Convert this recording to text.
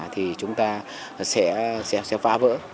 thì chúng ta sẽ phá vỡ